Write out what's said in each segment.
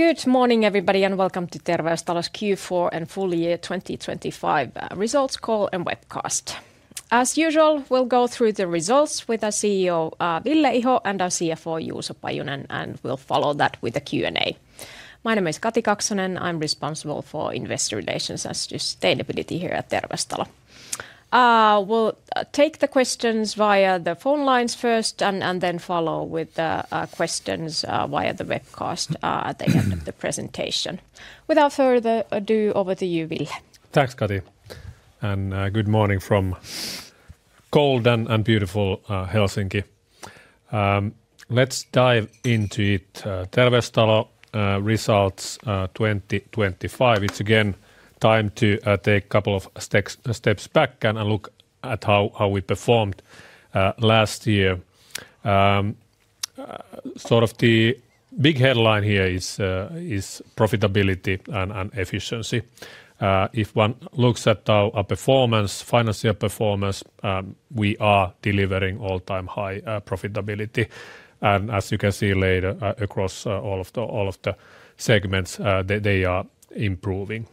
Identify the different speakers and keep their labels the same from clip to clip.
Speaker 1: Good morning, everybody, and welcome to Terveystalo's Q4 and full year 2025 results call and webcast. As usual, we'll go through the results with our CEO Ville Iho and our CFO Juuso Pajunen, and we'll follow that with a Q&A. My name is Kati Kaksonen. I'm responsible for investor relations and sustainability here at Terveystalo. We'll take the questions via the phone lines first and then follow with the questions via the webcast at the end of the presentation. Without further ado, over to you, Ville.
Speaker 2: Thanks, Kati, and good morning from cold and beautiful Helsinki. Let's dive into it, Terveystalo results, 2025. It's again time to take couple of steps back and look at how we performed last year. Sort of the big headline here is profitability and efficiency. If one looks at our performance, financial performance, we are delivering all-time high profitability. And as you can see later, across all of the segments, they are improving.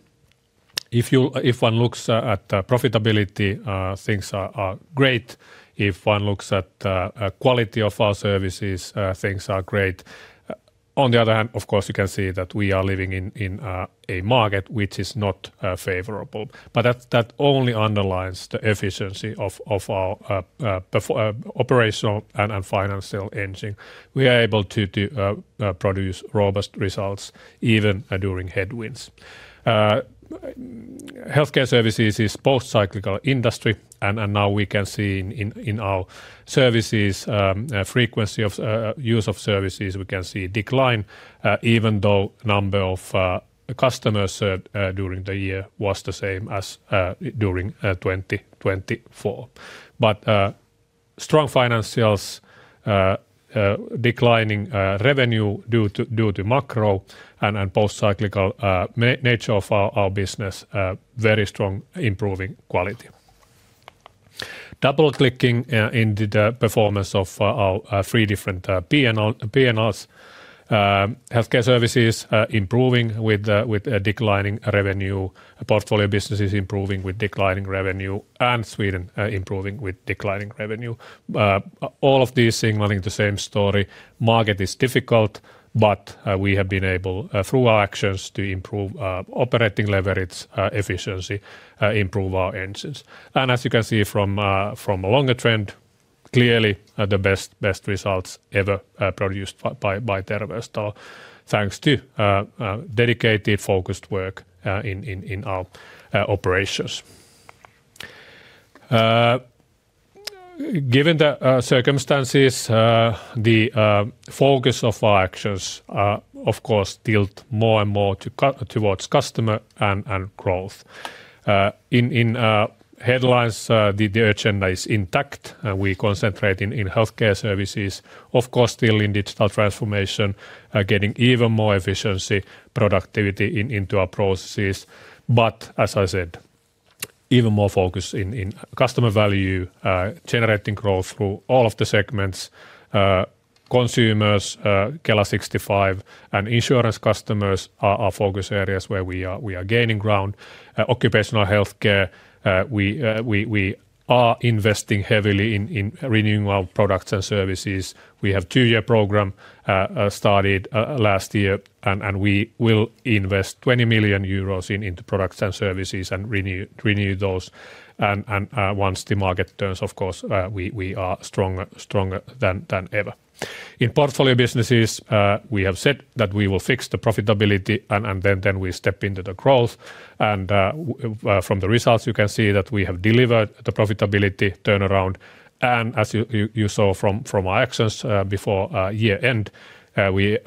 Speaker 2: If one looks at the profitability, things are great. If one looks at a quality of our services, things are great. On the other hand, of course, you can see that we are living in a market which is not favorable, but that only underlines the efficiency of our operational and financial engine. We are able to produce robust results even during headwinds. Healthcare services is both cyclical industry, and now we can see in our services frequency of use of services, we can see a decline even though number of customers during the year was the same as during 2024. But strong financials, declining revenue due to macro and post-cyclical nature of our business, very strong improving quality. Double-clicking in the performance of our three different P&L, P&Ls, Healthcare Services, improving with a declining revenue. Portfolio Businesses is improving with declining revenue, and Sweden, improving with declining revenue. All of these things running the same story, market is difficult, but we have been able, through our actions, to improve operating leverage, efficiency, improve our engines. And as you can see from a longer trend, clearly, the best results ever produced by Terveystalo, thanks to dedicated, focused work in our operations. Given the circumstances, the focus of our actions are, of course, tilt more and more towards customer and growth. In headlines, the agenda is intact, and we concentrate in Healthcare Services, of course, still in digital transformation, getting even more efficiency, productivity into our processes. But as I said, even more focus in customer value, generating growth through all of the segments, consumers, Kela 65, and insurance customers are our focus areas where we are gaining ground. Occupational Healthcare, we are investing heavily in renewing our products and services. We have two-year program started last year, and we will invest 20 million euros into products and services and renew those. And once the market turns, of course, we are stronger than ever. In Portfolio Businesses, we have said that we will fix the profitability, and then we step into the growth. From the results, you can see that we have delivered the profitability turnaround. As you saw from our actions before year end, we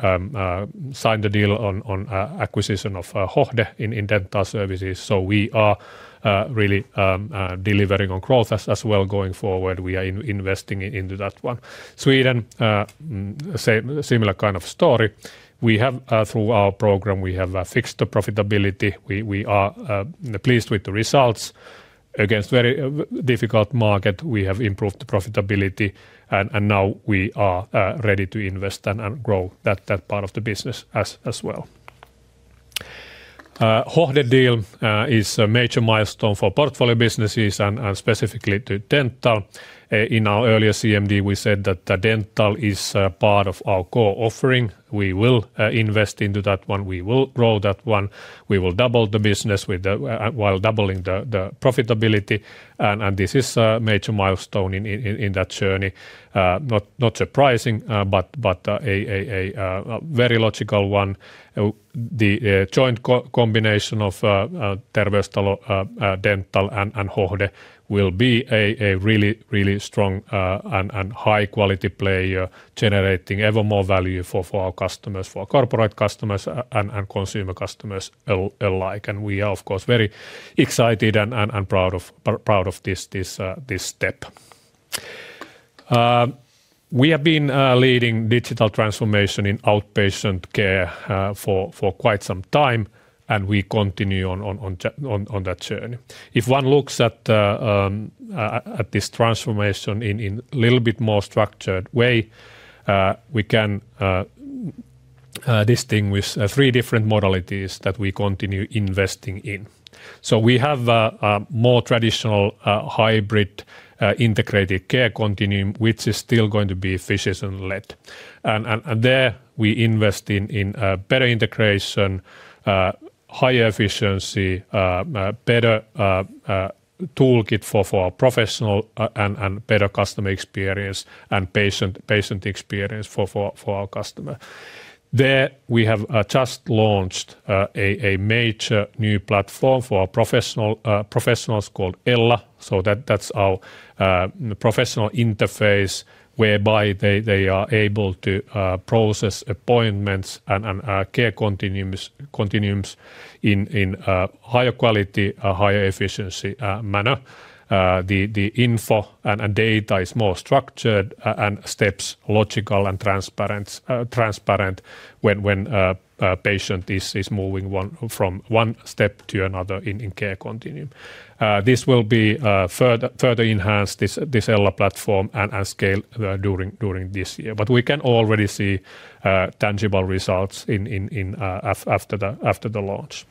Speaker 2: signed the deal on acquisition of Hohde in dental services. So we are really delivering on growth as well going forward. We are investing into that one. Sweden, similar kind of story. Through our program, we have fixed the profitability. We are pleased with the results. Against very difficult market, we have improved the profitability, and now we are ready to invest and grow that part of the business as well. Hohde deal is a major milestone for Portfolio Businesses and specifically to dental. In our earlier CMD, we said that the dental is a part of our core offering. We will invest into that one. We will grow that one. We will double the business while doubling the profitability, and this is a major milestone in that journey. Not surprising, but a very logical one. The joint combination of Terveystalo dental and Hohde will be a really really strong and high-quality player, generating ever more value for our customers, for our corporate customers, and consumer customers alike. And we are, of course, very excited and proud of this step. We have been leading digital transformation in outpatient care for quite some time, and we continue on that journey. If one looks at this transformation in a little bit more structured way, we can this thing with three different modalities that we continue investing in. So we have a more traditional hybrid integrated care continuum, which is still going to be physician-led. And there we invest in better integration, higher efficiency, better toolkit for our professionals, and better customer experience and patient experience for our customers. There, we have just launched a major new platform for our professionals called Ella. So that's our professional interface, whereby they are able to process appointments and care continuums in higher quality, higher efficiency manner. The info and data is more structured, and steps logical and transparent when a patient is moving from one step to another in care continuum. This will be further enhanced, this Ella platform and scale during this year. But we can already see tangible results after the launch.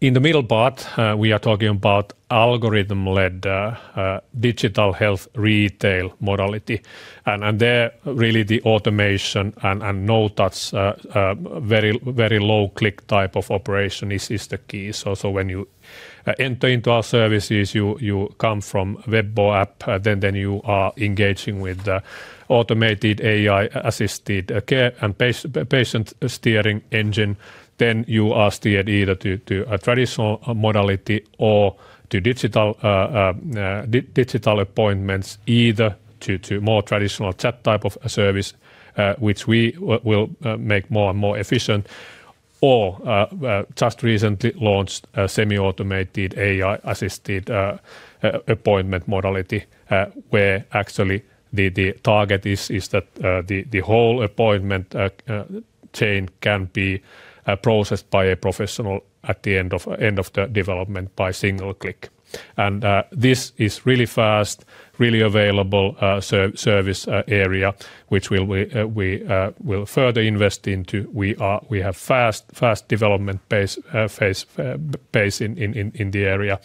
Speaker 2: In the middle part, we are talking about algorithm-led digital health retail modality, and there, really the automation and no touch very very low click type of operation is the key. So when you enter into our services, you come from Wellmo app, then you are engaging with the automated AI-assisted care and patient steering engine. Then you are steered either to a traditional modality or to digital appointments, either to more traditional chat type of a service, which we will make more and more efficient, or just recently launched a semi-automated AI-assisted appointment modality, where actually the target is that the whole appointment chain can be processed by a professional at the end of the development by single click. And this is really fast, really available service area, which we will further invest into. We have fast development pace in the area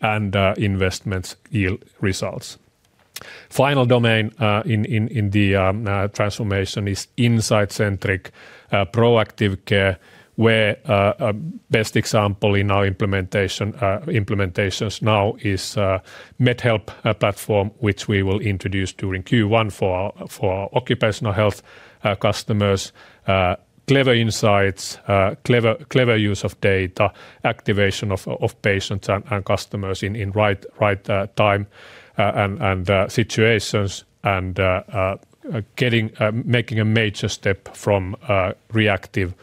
Speaker 2: and investments yield results. Final domain in the transformation is insight-centric proactive care, where a best example in our implementations now is MedHelp platform, which we will introduce during Q1 for Occupational Health customers. Clever insights, clever use of data, activation of patients and customers in right time and situations. Making a major step from reactive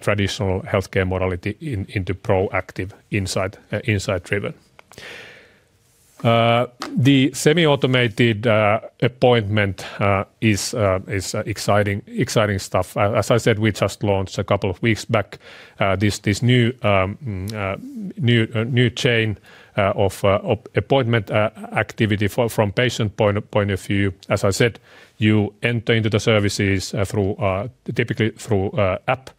Speaker 2: traditional healthcare modality into proactive insight-driven. The semi-automated appointment is exciting stuff. As I said, we just launched a couple of weeks back this new chain of appointment activity from patient point of view. As I said, you enter into the services through typically through app,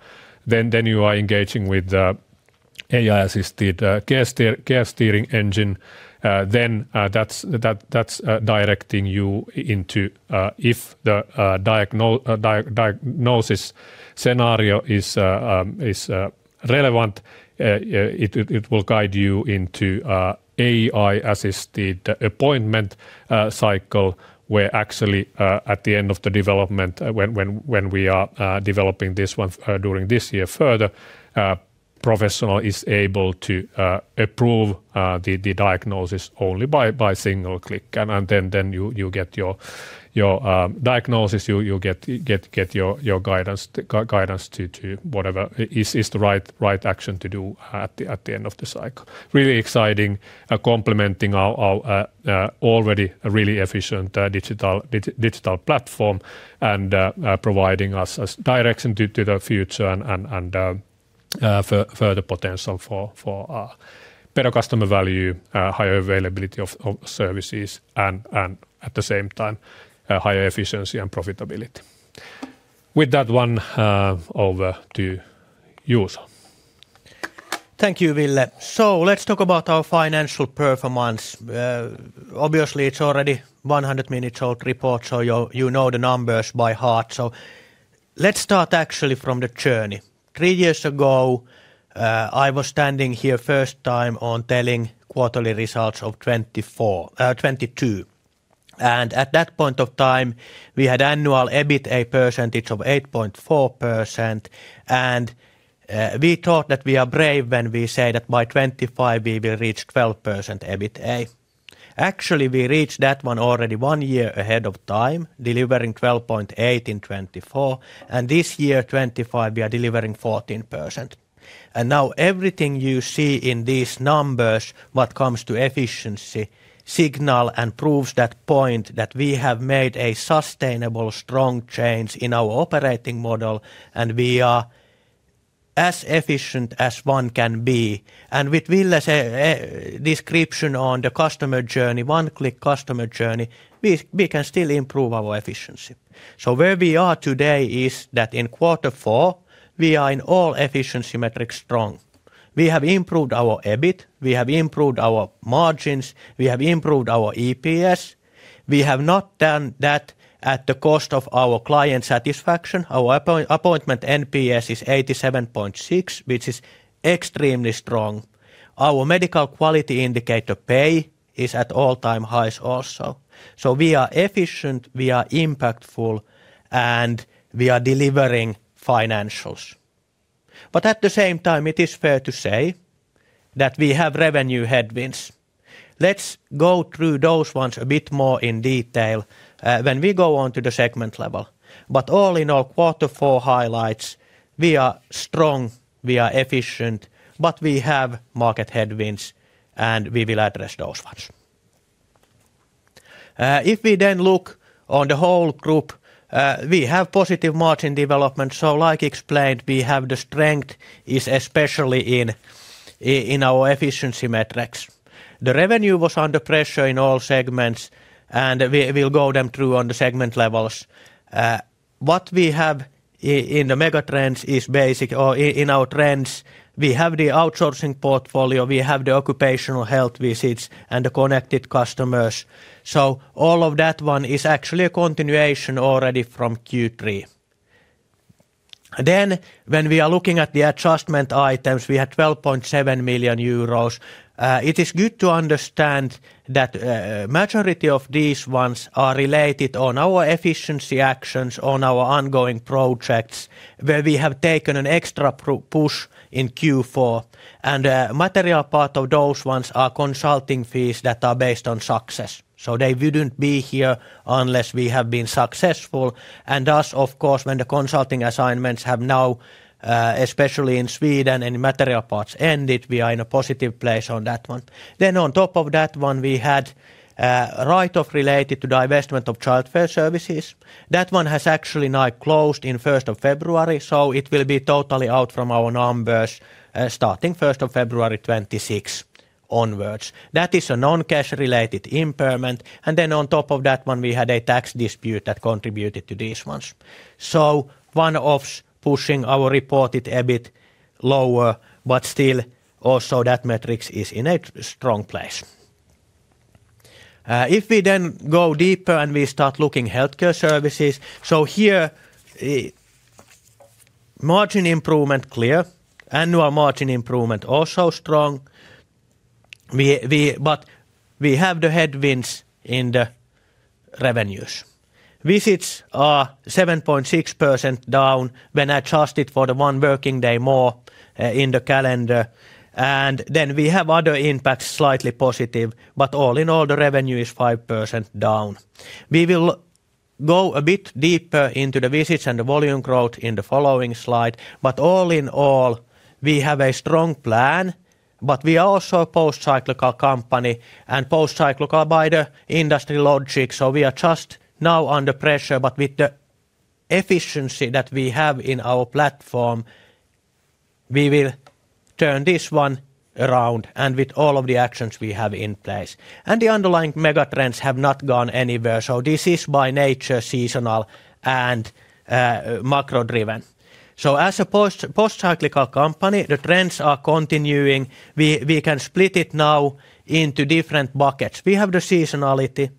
Speaker 2: then you are engaging with the AI-assisted care steering engine. Then that's directing you into if the diagnosis scenario is relevant, it will guide you into AI-assisted appointment cycle, where actually at the end of the development, when we are developing this one during this year further, professional is able to approve the diagnosis only by single click. And then you get your diagnosis, you'll get your guidance to... guidance to whatever is the right action to do at the end of the cycle. Really exciting, complementing our, already a really efficient, digital platform and, providing us a direction to the future and, further potential for, better customer value, higher availability of services, and at the same time, higher efficiency and profitability. With that one, over to Juuso.
Speaker 3: Thank you, Ville. So let's talk about our financial performance. Obviously, it's already 100 minutes old report, so you, you know the numbers by heart. So let's start actually from the journey. Three years ago, I was standing here first time on telling quarterly results of 2024, 2022, and at that point of time, we had annual EBITA percentage of 8.4%, and we thought that we are brave when we say that by 2025, we will reach 12% EBITA. Actually, we reached that one already one year ahead of time, delivering 12.8 in 2024, and this year, 2025, we are delivering 14%. And now everything you see in these numbers, what comes to efficiency, signal and proves that point that we have made a sustainable, strong change in our operating model, and we are as efficient as one can be, and with Ville's description on the customer journey, one-click customer journey, we can still improve our efficiency. So where we are today is that in quarter four, we are in all efficiency metrics strong. We have improved our EBIT, we have improved our margins, we have improved our EPS. We have not done that at the cost of our client satisfaction. Our appointment NPS is 87.6, which is extremely strong. Our medical quality indicator, PEI, is at all-time highs also. So we are efficient, we are impactful, and we are delivering financials. But at the same time, it is fair to say that we have revenue headwinds. Let's go through those ones a bit more in detail, when we go on to the segment level. But all in all, quarter four highlights: we are strong, we are efficient, but we have market headwinds, and we will address those ones. If we then look on the whole group, we have positive margin development. So, like explained, we have the strength is especially in our efficiency metrics. The revenue was under pressure in all segments, and we, we'll go them through on the segment levels. What we have in our trends, we have the outsourcing portfolio, we have the Occupational Health visits, and the connected customers. So all of that one is actually a continuation already from Q3. Then, when we are looking at the adjustment items, we had 12.7 million euros. It is good to understand that, majority of these ones are related on our efficiency actions, on our ongoing projects, where we have taken an extra push in Q4, and a material part of those ones are consulting fees that are based on success. So they wouldn't be here unless we have been successful, and thus, of course, when the consulting assignments have now, especially in Sweden, and material parts ended, we are in a positive place on that one. Then on top of that one, we had write-off related to divestment of childcare services. That one has actually now closed in first of February, so it will be totally out from our numbers, starting first of February 2026 onwards. That is a non-cash-related impairment, and then on top of that one, we had a tax dispute that contributed to these ones. So one-offs pushing our reported EBIT lower, but still also that metrics is in a strong place. If we then go deeper, and we start Healthcare Services, so here, margin improvement clear, annual margin improvement also strong. We... But we have the headwinds in the revenues. Visits are 7.6% down when adjusted for the one working day more in the calendar. And then we have other impacts, slightly positive, but all in all, the revenue is 5% down. We will go a bit deeper into the visits and the volume growth in the following slide. But all in all, we have a strong plan, but we are also a post-cyclical company, and post-cyclical by the industry logic, so we are just now under pressure, but with the efficiency that we have in our platform, we will turn this one around, and with all of the actions we have in place. And the underlying megatrends have not gone anywhere, so this is by nature, seasonal and, macro-driven. So as a post, post-cyclical company, the trends are continuing. We, we can split it now into different buckets. We have the seasonality.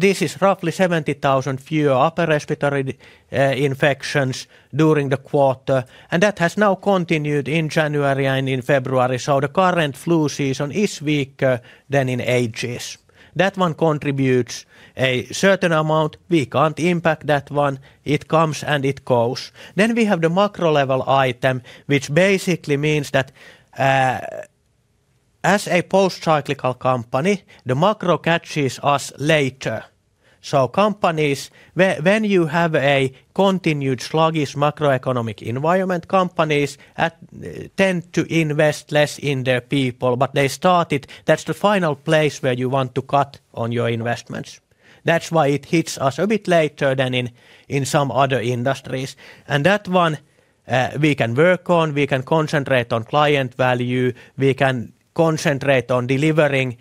Speaker 3: This is roughly 70,000 fewer upper respiratory infections during the quarter, and that has now continued in January and in February. So the current flu season is weaker than in ages. That one contributes a certain amount. We can't impact that one. It comes, and it goes. Then we have the macro-level item, which basically means that, as a post-cyclical company, the macro catches us later. So companies... when you have a continued sluggish macroeconomic environment, companies tend to invest less in their people, but they started, that's the final place where you want to cut on your investments. That's why it hits us a bit later than in some other industries. And that one, we can work on, we can concentrate on client value, we can concentrate on delivering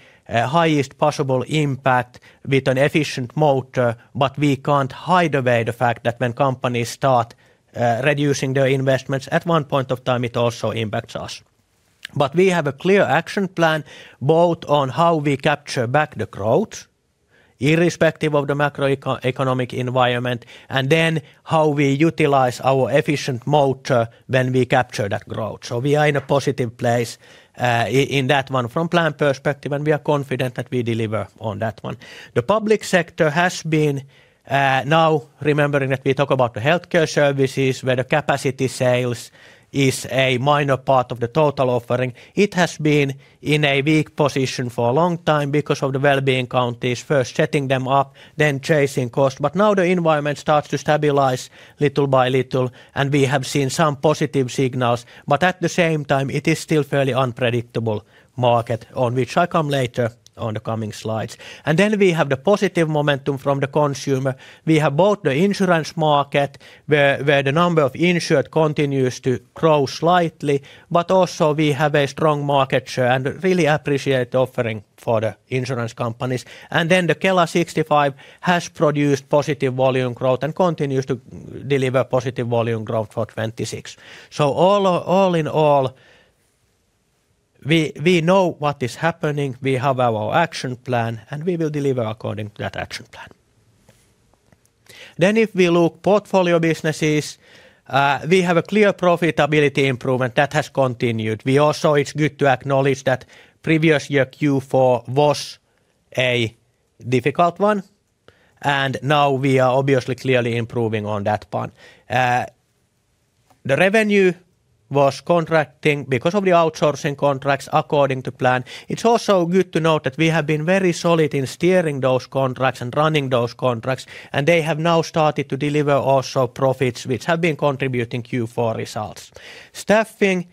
Speaker 3: highest possible impact with an efficient motor, but we can't hide away the fact that when companies start reducing their investments, at one point of time, it also impacts us. But we have a clear action plan, both on how we capture back the growth, irrespective of the macro economic environment, and then how we utilize our efficient motor when we capture that growth. So we are in a positive place in that one from plan perspective, and we are confident that we deliver on that one. The public sector has been now remembering that we talk about Healthcare Services, where the capacity sales is a minor part of the total offering. It has been in a weak position for a long time because of the wellbeing counties, first setting them up, then chasing cost. But now the environment starts to stabilize little by little, and we have seen some positive signals, but at the same time, it is still fairly unpredictable market, on which I come later on the coming slides. And then we have the positive momentum from the consumer. We have both the insurance market, where, where the number of insured continues to grow slightly, but also we have a strong market share and really appreciate the offering for the insurance companies. And then the Kela 65 has produced positive volume growth and continues to deliver positive volume growth for 2026. So all, all in all, we, we know what is happening, we have our action plan, and we will deliver according to that action plan. If we look at Portfolio Businesses, we have a clear profitability improvement that has continued. We also, it's good to acknowledge that previous year Q4 was a difficult one, and now we are obviously clearly improving on that one. The revenue was contracting because of the outsourcing contracts according to plan. It's also good to note that we have been very solid in steering those contracts and running those contracts, and they have now started to deliver also profits, which have been contributing Q4 results. Staffing,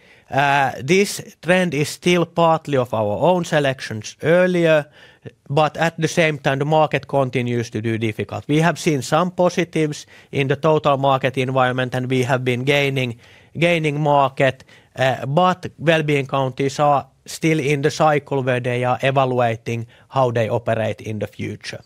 Speaker 3: this trend is still partly of our own selections earlier, but at the same time, the market continues to be difficult. We have seen some positives in the total market environment, and we have been gaining market, but wellbeing services counties are still in the cycle where they are evaluating how they operate in the future.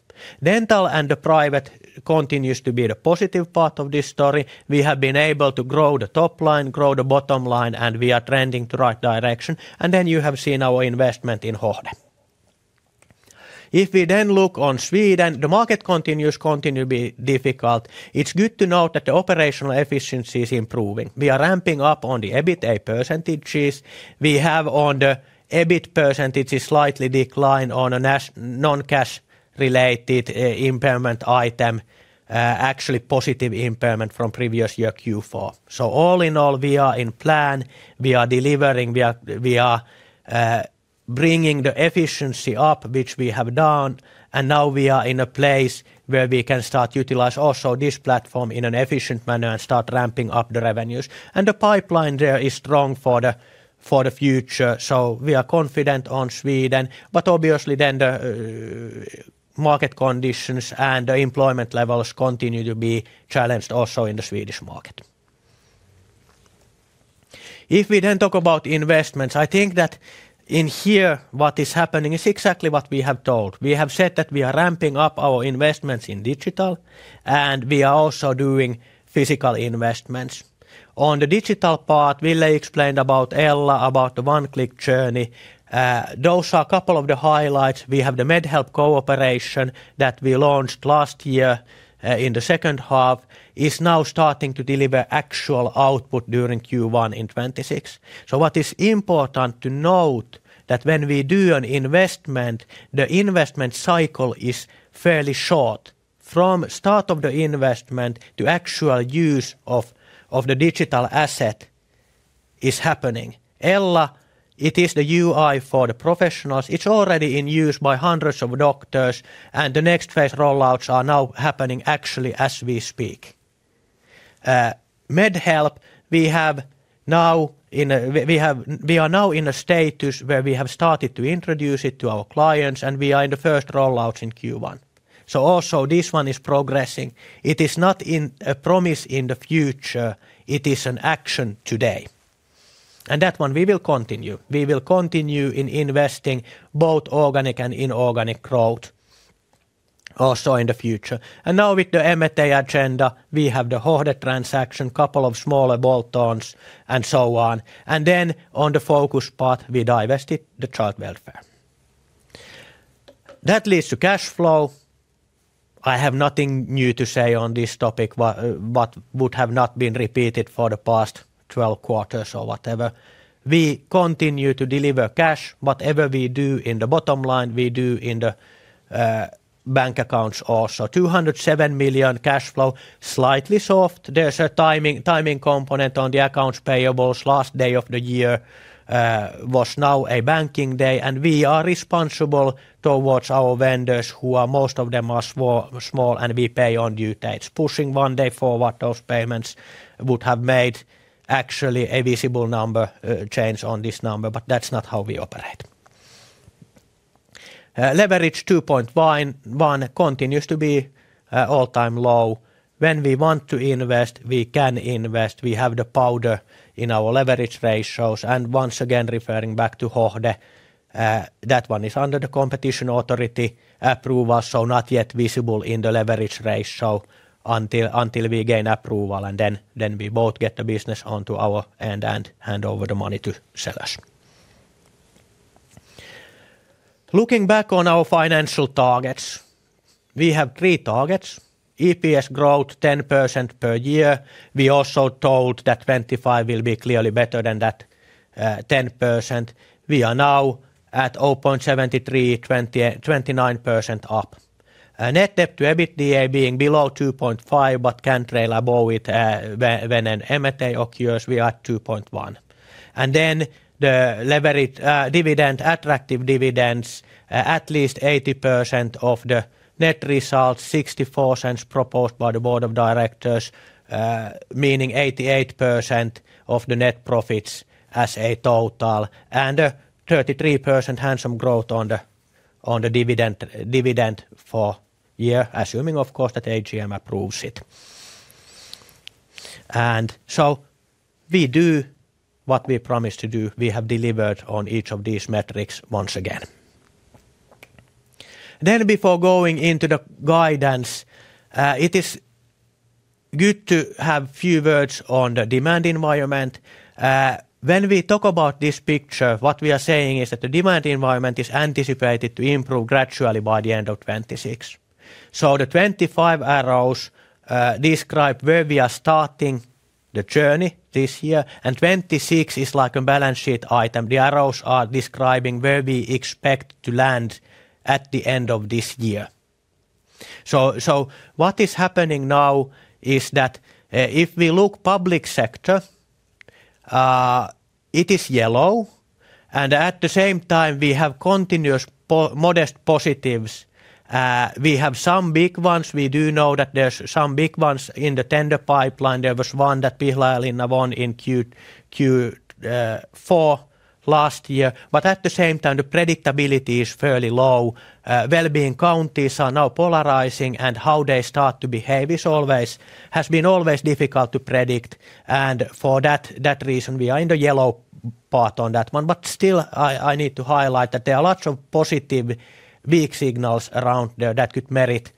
Speaker 3: Dental and the private continues to be the positive part of this story. We have been able to grow the top line, grow the bottom line, and we are trending the right direction. And then you have seen our investment in Hohde. If we then look on Sweden, the market continues to be difficult. It's good to note that the operational efficiency is improving. We are ramping up on the EBITA percentages. We have on the EBIT percentage, a slightly decline on a non-cash related impairment item, actually positive impairment from previous year Q4. So all in all, we are in plan, we are delivering, we are bringing the efficiency up, which we have done, and now we are in a place where we can start to utilize also this platform in an efficient manner and start ramping up the revenues. And the pipeline there is strong for the future, so we are confident on Sweden. But obviously, then the market conditions and the employment levels continue to be challenged also in the Swedish market. If we then talk about investments, I think that in here, what is happening is exactly what we have told. We have said that we are ramping up our investments in digital, and we are also doing physical investments. On the digital part, Ville explained about Ella, about the one-click journey. Those are a couple of the highlights. We have the MedHelp cooperation that we launched last year, in the second half, is now starting to deliver actual output during Q1 in 2026. So what is important to note that when we do an investment, the investment cycle is fairly short. From start of the investment to actual use of, of the digital asset is happening. Ella, it is the UI for the professionals. It's already in use by hundreds of doctors, and the next phase rollouts are now happening actually as we speak. MedHelp, we are now in a status where we have started to introduce it to our clients, and we are in the first rollouts in Q1. So also, this one is progressing. It is not in a promise in the future, it is an action today. And that one, we will continue. We will continue in investing both organic and inorganic growth also in the future. And now with the M&A agenda, we have the Hohde transaction, couple of smaller bolt-ons, and so on. And then on the focus path, we divested the child welfare. That leads to cash flow. I have nothing new to say on this topic, but would have not been repeated for the past 12 quarters or whatever. We continue to deliver cash. Whatever we do in the bottom line, we do in the bank accounts also. 207 million cash flow, slightly soft. There's a timing component on the accounts payables. Last day of the year was now a banking day, and we are responsible towards our vendors, who are most of them small, and we pay on due dates. Pushing one day forward, those payments would have made actually a visible change on this number, but that's not how we operate. Leverage 2.11 continues to be all-time low. When we want to invest, we can invest. We have the powder in our leverage ratios, and once again, referring back to Hohde, that one is under the competition authority approval, so not yet visible in the leverage ratio until we gain approval, and then we both get the business onto our end and hand over the money to sellers. Looking back on our financial targets, we have three targets: EPS growth, 10% per year. We also told that 25 will be clearly better than that 10%. We are now at 0.73, 28, 29% up. Net debt to EBITDA being below 2.5, but can trail above it, when an M&A occurs, we are at 2.1. Then the leverage, dividend, attractive dividends, at least 80% of the net results, 0.64 EUR proposed by the board of directors, meaning 88% of the net profits as a total, and a 33% handsome growth on the, on the dividend, dividend for year, assuming, of course, that AGM approves it. So we do what we promise to do. We have delivered on each of these metrics once again. Then, before going into the guidance, good to have a few words on the demand environment. When we talk about this picture, what we are saying is that the demand environment is anticipated to improve gradually by the end of 2026. So the 2025 arrows describe where we are starting the journey this year, and 2026 is like a balance sheet item. The arrows are describing where we expect to land at the end of this year. So what is happening now is that if we look public sector, it is yellow, and at the same time, we have continuous modest positives. We have some big ones. We do know that there's some big ones in the tender pipeline. There was one that Pihlajalinna won in Q4 last year. But at the same time, the predictability is fairly low. Wellbeing services counties are now polarizing, and how they start to behave has always been difficult to predict, and for that reason, we are in the yellow part on that one. But still, I need to highlight that there are lots of positive weak signals around there that could merit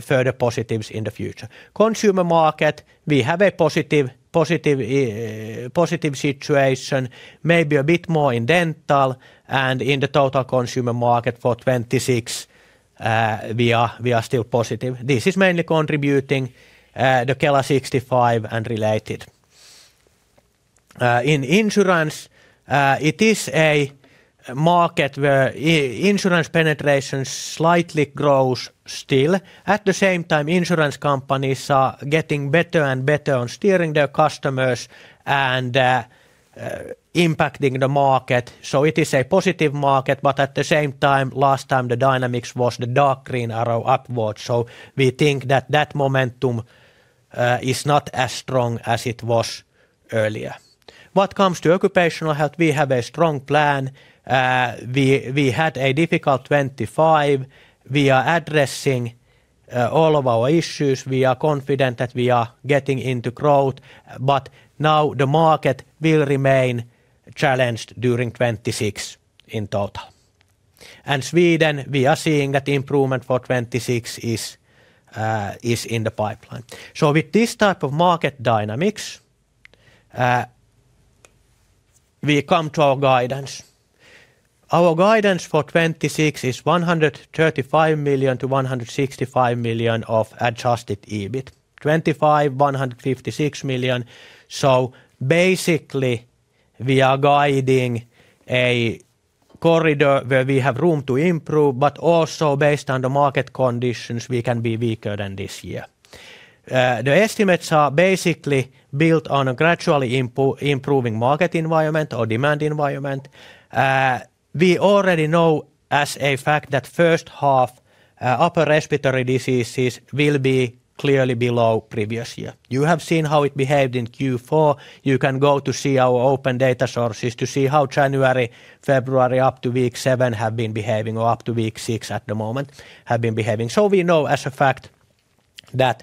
Speaker 3: further positives in the future. Consumer market, we have a positive, positive, positive situation, maybe a bit more in dental and in the total consumer market for 2026, we are, we are still positive. This is mainly contributing, the Kela 65 and related. In insurance, it is a market where insurance penetration slightly grows still. At the same time, insurance companies are getting better and better on steering their customers and, impacting the market. So it is a positive market, but at the same time, last time, the dynamics was the dark green arrow upward. So we think that that momentum, is not as strong as it was earlier. What comes to Occupational Health, we have a strong plan. We, we had a difficult 2025. We are addressing, all of our issues. We are confident that we are getting into growth, but now the market will remain challenged during 2026 in total. And Sweden, we are seeing that improvement for 2026 is in the pipeline. So with this type of market dynamics, we come to our guidance. Our guidance for 2026 is 135 million-165 million of adjusted EBITA, 2025, 156 million. So basically, we are guiding a corridor where we have room to improve, but also based on the market conditions, we can be weaker than this year. The estimates are basically built on a gradually improving market environment or demand environment. We already know as a fact that first half, upper respiratory diseases will be clearly below previous year. You have seen how it behaved in Q4. You can go to see our open data sources to see how January, February, up to week 7, have been behaving, or up to week 6 at the moment, have been behaving. So we know as a fact that,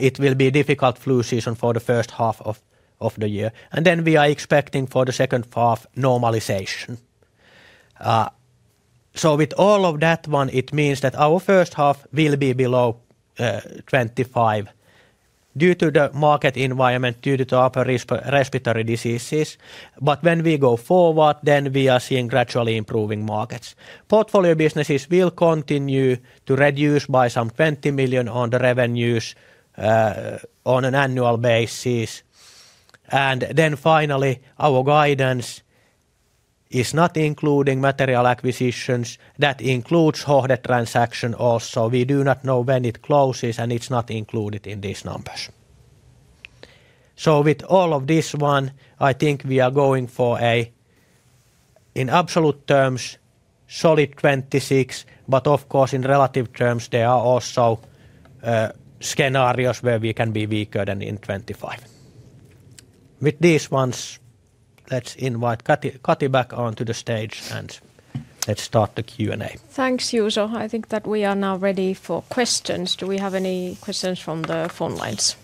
Speaker 3: it will be difficult flu season for the first half of the year, and then we are expecting for the second half normalization. So with all of that one, it means that our first half will be below 25% due to the market environment, due to the upper respiratory diseases. But when we go forward, then we are seeing gradually improving markets. Portfolio Businesseses will continue to reduce by some 20 million on the revenues, on an annual basis. And then finally, our guidance is not including material acquisitions. That includes Hohde transaction also. We do not know when it closes, and it's not included in these numbers. So with all of this one, I think we are going for a, in absolute terms, solid 2026, but of course, in relative terms, there are also scenarios where we can be weaker than in 2025. With these ones, let's invite Kati, Kati back onto the stage, and let's start the Q&A.
Speaker 1: Thanks, Juuso. I think that we are now ready for questions. Do we have any questions from the phone lines?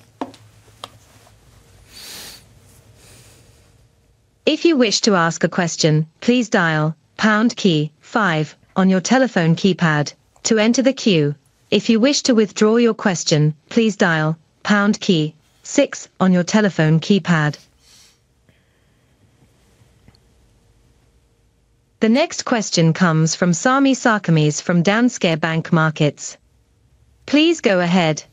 Speaker 4: If you wish to ask a question, please dial pound key five on your telephone keypad to enter the queue. If you wish to withdraw your question, please dial pound key six on your telephone keypad. The next question comes from Sami Sarkamies from Danske Bank Markets. Please go ahead.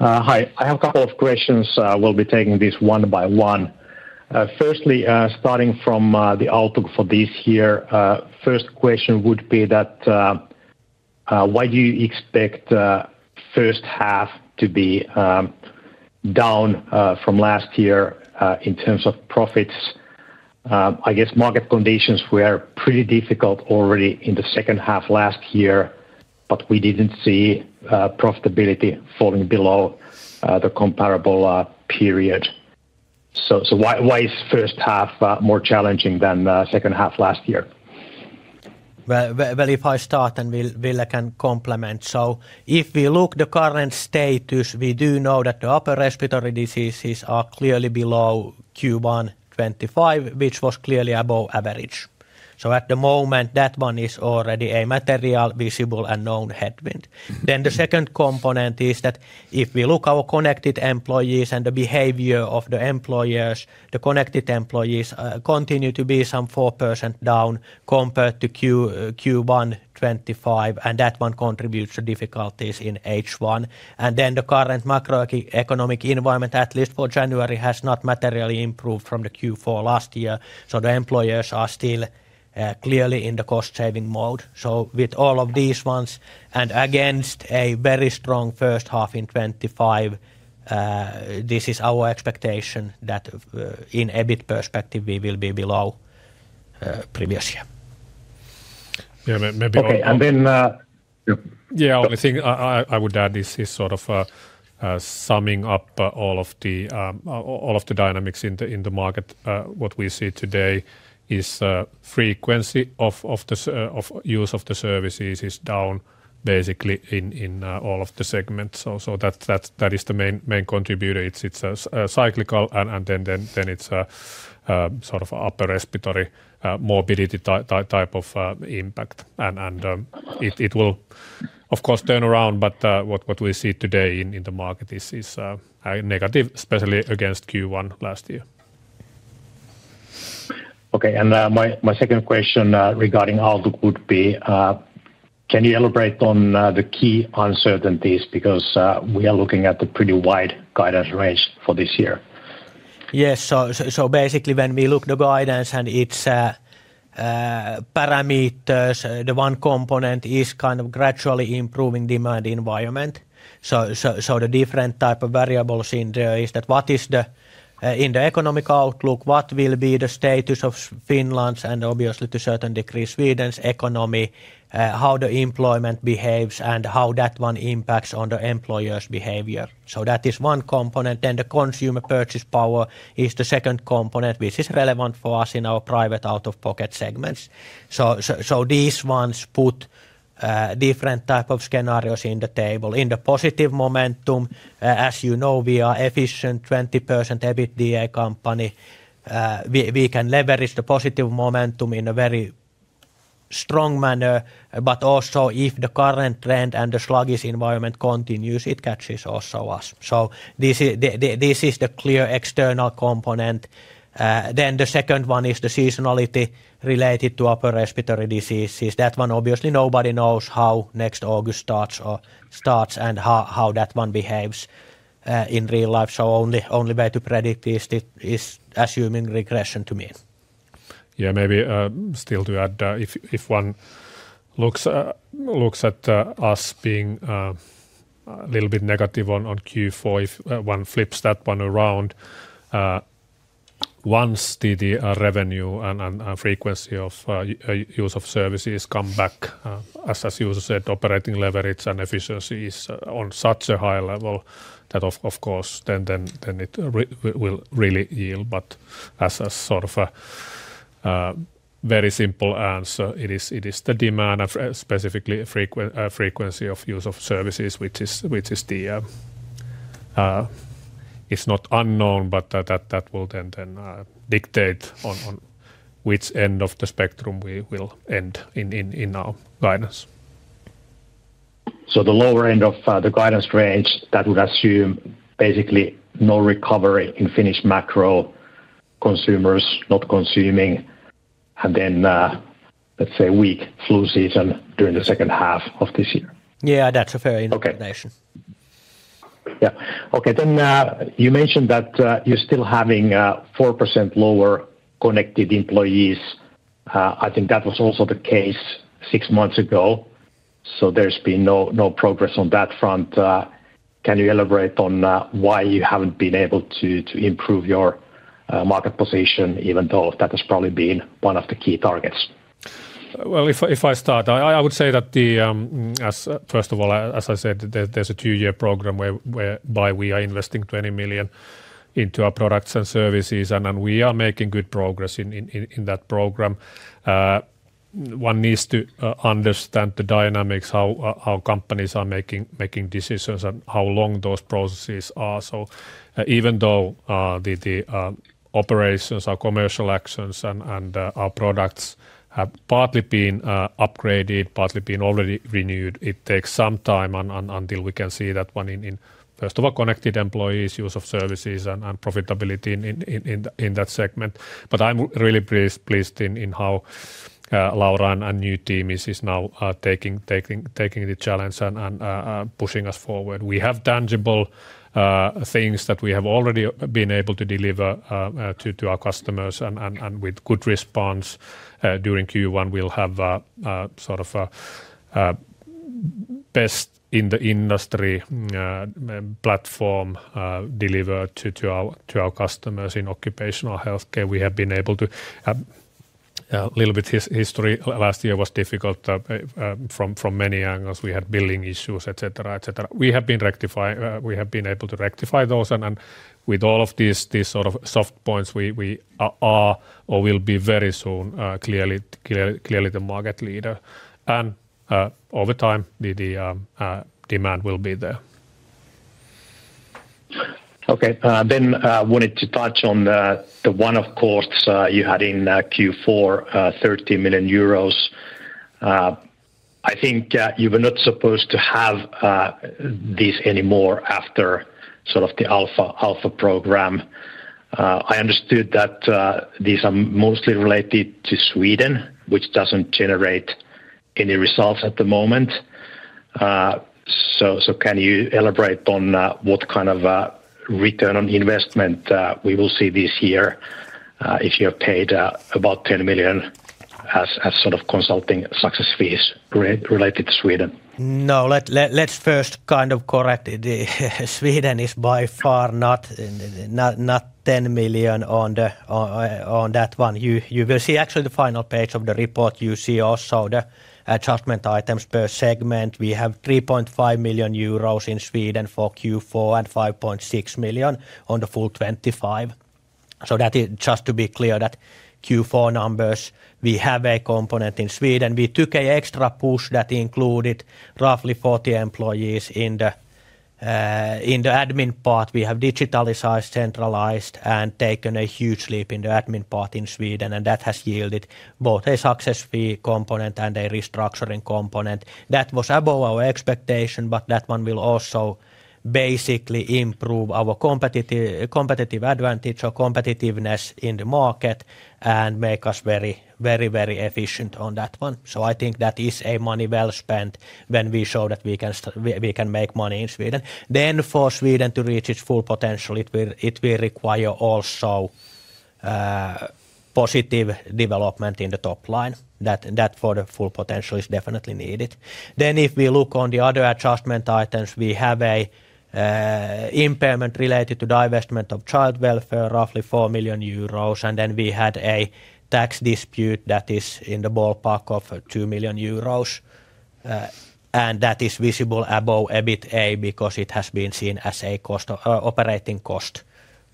Speaker 5: Hi, I have a couple of questions. We'll be taking this one by one. Firstly, starting from the outlook for this year, first question would be that why do you expect first half to be down from last year in terms of profits? I guess market conditions were pretty difficult already in the second half last year, but we didn't see profitability falling below the comparable period. So, so why, why is first half more challenging than second half last year?
Speaker 3: Well, well, well, if I start, and we'll, Ville can complement. So if we look the current status, we do know that the upper respiratory diseases are clearly below Q1 2025, which was clearly above average. So at the moment, that one is already a material visible and known headwind. Then the second component is that if we look our connected employees and the behavior of the employers, the connected employees continue to be some 4% down compared to Q1 2025, and that one contributes to difficulties in H1. And then the current macroeconomic environment, at least for January, has not materially improved from the Q4 last year, so the employers are still clearly in the cost-saving mode. So with all of these ones, and against a very strong first half in 2025, this is our expectation that, in EBIT perspective, we will be below previous year.
Speaker 2: Yeah, maybe.
Speaker 3: Okay, and then, Yep.
Speaker 2: Yeah, the thing I would add is sort of summing up all of the dynamics in the market. What we see today is frequency of use of the services is down basically in all of the segments. So that is the main contributor. It's cyclical, and then it's sort of upper respiratory morbidity type of impact. And it will, of course, turn around, but what we see today in the market is negative, especially against Q1 last year.
Speaker 5: Okay, and, my, my second question, regarding outlook would be, can you elaborate on, the key uncertainties? Because, we are looking at a pretty wide guidance range for this year.
Speaker 3: Yes. So basically, when we look the guidance and its parameters, the one component is kind of gradually improving demand environment. So the different type of variables in there is that what is the in the economic outlook, what will be the status of Finland's and obviously to a certain degree, Sweden's economy, how the employment behaves, and how that one impacts on the employer's behavior? So that is one component. Then the consumer purchase power is the second component, which is relevant for us in our private out-of-pocket segments. So these ones put different type of scenarios in the table. In the positive momentum, as you know, we are efficient 20% EBITDA company. We can leverage the positive momentum in a very strong manner, but also if the current trend and the sluggish environment continues, it catches also us. So this is the clear external component. Then the second one is the seasonality related to upper respiratory diseases. That one, obviously, nobody knows how next August starts, and how that one behaves in real life. So only way to predict is assuming regression to mean.
Speaker 2: Yeah, maybe, still to add, if one looks at us being a little bit negative on Q4, if one flips that one around, once the revenue and frequency of use of services come back, as you said, operating leverage and efficiency is on such a high level that of course then it will really yield. But as a sort of a very simple answer, it is the demand of specifically frequency of use of services, which is the, it's not unknown, but that will then dictate on which end of the spectrum we will end in our guidance.
Speaker 5: So the lower end of the guidance range, that would assume basically no recovery in Finnish macro consumers not consuming, and then, let's say, weak flu season during the second half of this year?
Speaker 3: Yeah, that's a fair-
Speaker 5: Okay
Speaker 3: -indication.
Speaker 5: Yeah. Okay, then, you mentioned that you're still having 4% lower connected employees. I think that was also the case six months ago, so there's been no progress on that front. Can you elaborate on why you haven't been able to improve your market position, even though that has probably been one of the key targets?
Speaker 2: Well, if I start, I would say that. As, first of all, as I said, there's a two-year program whereby we are investing 20 million into our products and services, and we are making good progress in that program. One needs to understand the dynamics, how companies are making decisions and how long those processes are. So, even though the operations, our commercial actions and our products have partly been upgraded, partly been already renewed, it takes some time until we can see that in, first of all, connected employees, use of services, and profitability in that segment. But I'm really pleased with how Laura and new team is now taking the challenge and pushing us forward. We have tangible things that we have already been able to deliver to our customers and with good response. During Q1, we'll have sort of best in the industry platform delivered to our customers in Occupational Healthcare. We have been able to a little bit of history. Last year was difficult from many angles. We had billing issues, et cetera, et cetera. We have been able to rectify those, and with all of these, these sort of soft points, we are or will be very soon clearly the market leader. Over time, the demand will be there.
Speaker 5: Okay, then wanted to touch on the one-off costs you had in Q4, 30 million euros. I think you were not supposed to have this anymore after sort of the Alpha program. I understood that these are mostly related to Sweden, which doesn't generate any results at the moment. So can you elaborate on what kind of return on investment we will see this year, if you have paid about 10 million as sort of consulting success fees related to Sweden?
Speaker 3: No, let's first kind of correct it. Sweden is by far not ten million on that one. You will see actually the final page of the report, you see also the adjustment items per segment. We have 3.5 million euros in Sweden for Q4 and 5.6 million on the full 2025. So that is just to be clear, that Q4 numbers, we have a component in Sweden. We took an extra push that included roughly 40 employees in the admin part. We have digitalized, centralized, and taken a huge leap in the admin part in Sweden, and that has yielded both a success fee component and a restructuring component. That was above our expectation, but that one will also basically improve our competitive advantage or competitiveness in the market and make us very, very, very efficient on that one. So I think that is money well spent when we show that we can make money in Sweden. Then for Sweden to reach its full potential, it will, it will require also positive development in the top line. That, that for the full potential is definitely needed. Then if we look on the other adjustment items, we have a impairment related to the divestment of child welfare, roughly 4 million euros, and then we had a tax dispute that is in the ballpark of 2 million euros. And that is visible above EBITA because it has been seen as a cost, operating cost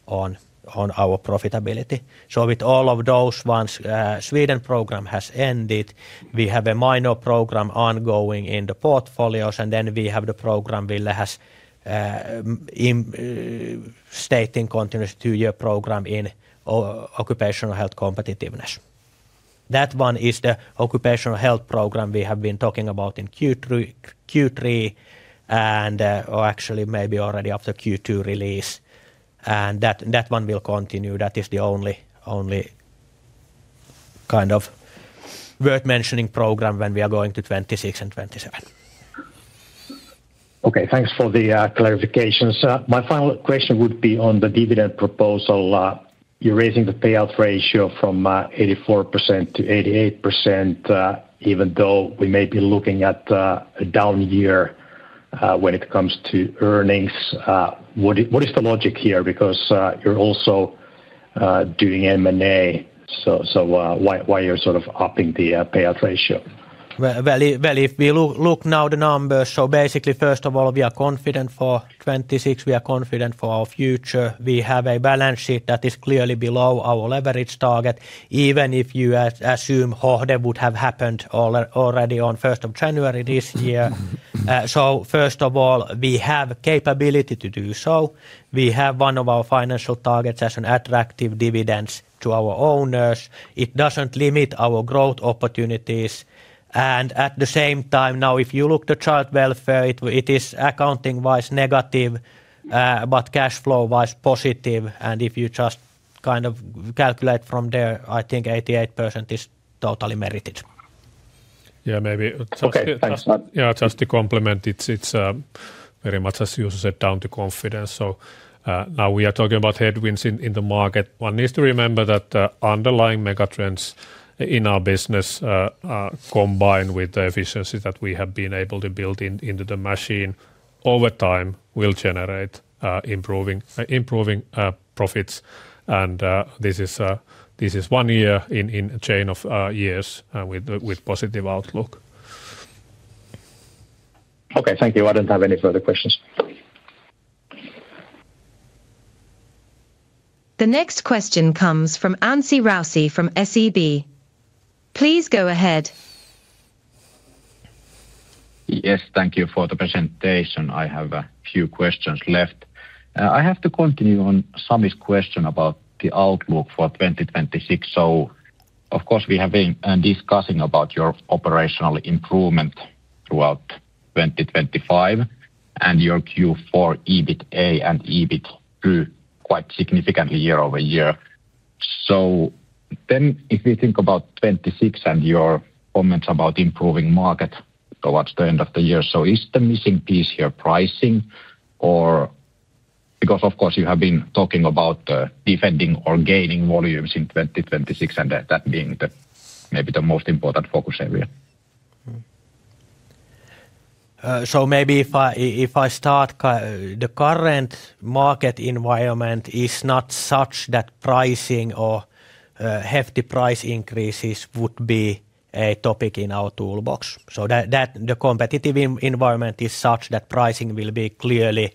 Speaker 3: on our profitability. So with all of those ones, Sweden program has ended. We have a minor program ongoing in the portfolios, and then we have the program Ville has, stating continuous two-year program in Occupational Health competitiveness. That one is the Occupational Health program we have been talking about in Q3 and, or actually maybe already after Q2 release, and that one will continue. That is the only kind of worth mentioning program when we are going to 2026 and 2027.
Speaker 5: Okay, thanks for the clarifications. My final question would be on the dividend proposal. You're raising the payout ratio from 84% to 88%, even though we may be looking at a down year when it comes to earnings. What is the logic here? Because you're also doing M&A, so why you're sort of upping the payout ratio?
Speaker 3: Well, well, well, if we look now the numbers, so basically, first of all, we are confident for 2026. We are confident for our future. We have a balance sheet that is clearly below our leverage target, even if you assume Hohde would have happened already on first of January this year. So first of all, we have capability to do so. We have one of our financial targets as an attractive dividends to our owners. It doesn't limit our growth opportunities, and at the same time, now, if you look to child welfare, it is accounting-wise negative, but cash flow-wise positive, and if you just kind of calculate from there, I think 88% is totally merited.
Speaker 2: Yeah, maybe-
Speaker 5: Okay, thanks.
Speaker 2: Yeah, just to complement, it's very much, as you said, down to confidence. So, now we are talking about headwinds in the market. One needs to remember that underlying megatrends in our business, combined with the efficiencies that we have been able to build into the machine over time, will generate improving profits and this is one year in a chain of years with positive outlook.
Speaker 5: Okay, thank you. I don't have any further questions.
Speaker 4: The next question comes from Anssi Raussi from SEB. Please go ahead.
Speaker 6: Yes, thank you for the presentation. I have a few questions left. I have to continue on Sami's question about the outlook for 2026. So of course, we have been discussing about your operational improvement throughout 2025, and your Q4 EBITA and EBIT grew quite significantly year-over-year. So then if we think about 2026 and your comments about improving market towards the end of the year, so is the missing piece here pricing? Or... Because of course, you have been talking about defending or gaining volumes in 2026, and that, that being the, maybe the most important focus area.
Speaker 3: So maybe if I start, the current market environment is not such that pricing or hefty price increases would be a topic in our toolbox. So the competitive environment is such that pricing will be clearly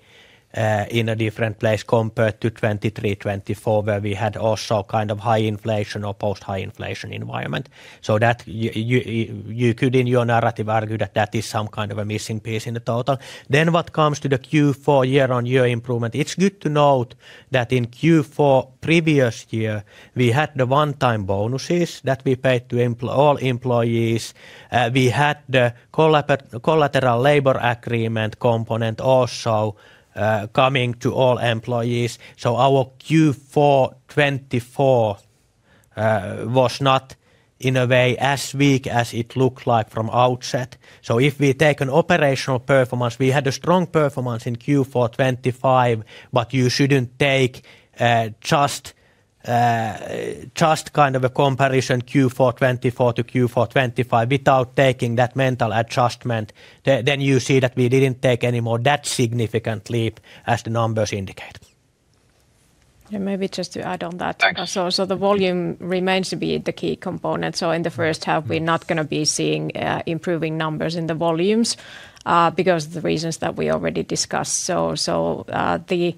Speaker 3: in a different place compared to 2023, 2024, where we had also kind of high inflation or post high inflation environment. So you could, in your narrative, argue that that is some kind of a missing piece in the total. Then what comes to the Q4 year-on-year improvement? It's good to note that in Q4 previous year, we had the one-time bonuses that we paid to all employees. We had the collateral labor agreement component also coming to all employees. So our Q4 2024 was not in a way as weak as it looked like from outset. So if we take an operational performance, we had a strong performance in Q4 2025, but you shouldn't take just kind of a comparison Q4 2024 to Q4 2025 without taking that mental adjustment. Then you see that we didn't take any more that significant leap as the numbers indicate.
Speaker 1: Maybe just to add on that.
Speaker 6: Thanks.
Speaker 1: So the volume remains to be the key component. So in the first half, we're not gonna be seeing improving numbers in the volumes because of the reasons that we already discussed. So the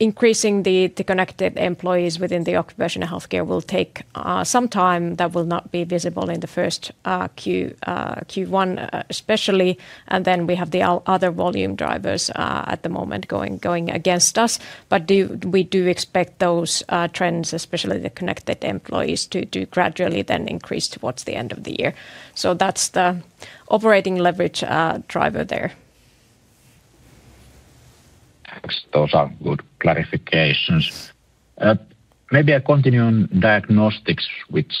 Speaker 1: increasing the connected employees within Occupational Health will take some time that will not be visible in the first Q1 especially, and then we have the other volume drivers at the moment going against us. But we do expect those trends, especially the connected employees, to gradually then increase towards the end of the year. So that's the operating leverage driver there.
Speaker 6: Thanks. Those are good clarifications. Maybe I continue on diagnostics, which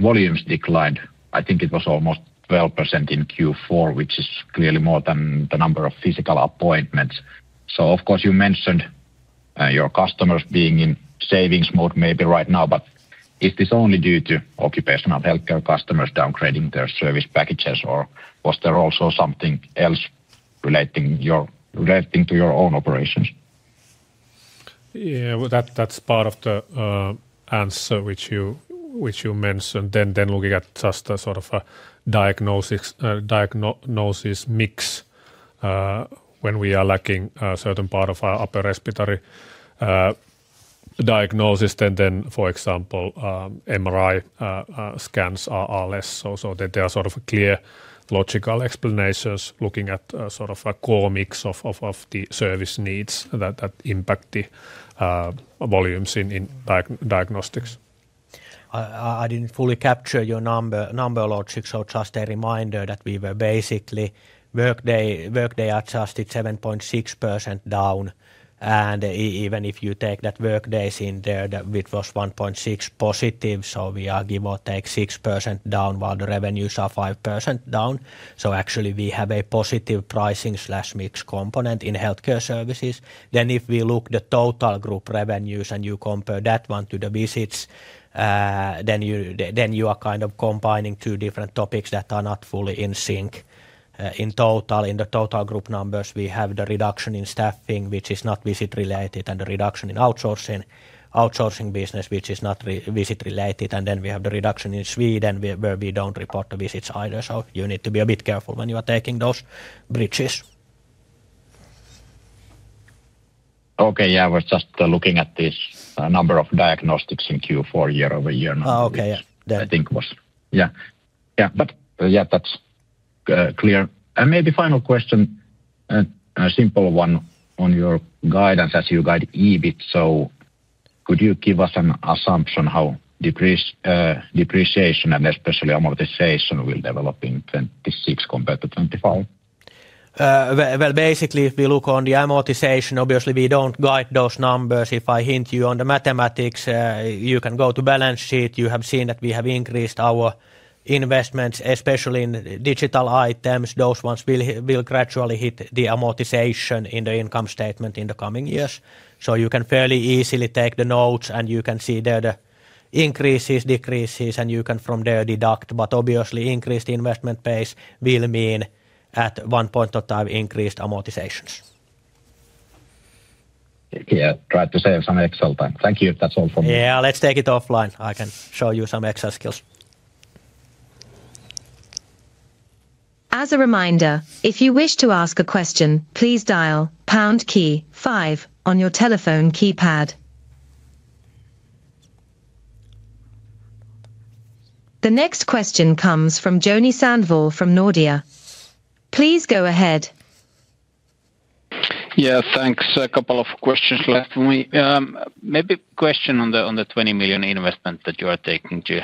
Speaker 6: volumes declined. I think it was almost 12% in Q4, which is clearly more than the number of physical appointments. So of course, you mentioned your customers being in savings mode maybe right now, but is this only due Occupational Health customers downgrading their service packages, or was there also something else relating to your own operations?
Speaker 2: Yeah, well, that's part of the answer which you mentioned. Then looking at just a sort of a diagnostics diagnosis mix, when we are lacking certain part of our upper respiratory diagnosis, then for example MRI scans are less. So there are sort of clear, logical explanations looking at sort of a core mix of the service needs that impact the volumes in diagnostics.
Speaker 3: I didn't fully capture your number logic, so just a reminder that we were basically workday adjusted 7.6% down, and even if you take that workdays in there, that it was 1.6 positive, so we are give or take 6% down, while the revenues are 5% down. So actually, we have a positive pricing/mix component Healthcare Services. Then if we look the total group revenues, and you compare that one to the visits, then you are kind of combining two different topics that are not fully in sync. In the total group numbers, we have the reduction in staffing, which is not visit related, and the reduction in outsourcing business, which is not visit related. And then we have the reduction in Sweden, where we don't report the visits either. So you need to be a bit careful when you are taking those bridges.
Speaker 6: Okay, yeah, I was just looking at this number of diagnostics in Q4 year-over-year now-
Speaker 3: Oh, okay. Yeah.
Speaker 6: I think it was. Yeah. Yeah, but, yeah, that's clear. And maybe final question, and a simple one on your guidance as you guide EBIT. So could you give us an assumption how decrease, depreciation and especially amortization will develop in 2026 compared to 2025?
Speaker 3: Well, well, basically, if we look on the amortization, obviously we don't guide those numbers. If I hint you on the mathematics, you can go to balance sheet. You have seen that we have increased our investments, especially in digital items. Those ones will gradually hit the amortization in the income statement in the coming years. So you can fairly easily take the notes, and you can see there the increases, decreases, and you can from there deduct, but obviously, increased investment pace will mean at one point of time, increased amortizations.
Speaker 6: Yeah, try to save some extra time. Thank you. That's all for me.
Speaker 3: Yeah, let's take it offline. I can show you some extra skills.
Speaker 4: As a reminder, if you wish to ask a question, please dial pound key five on your telephone keypad. The next question comes from Joni Sandvall from Nordea. Please go ahead.
Speaker 7: Yeah, thanks. A couple of questions left me. Maybe question on the, on the 20 million investment that you are taking to